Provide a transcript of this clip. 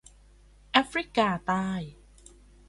แอฟริกาใต้